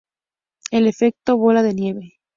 El efecto bola de nieve.